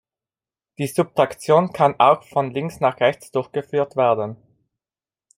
Die Subtraktion kann auch von links nach rechts durchgeführt werden.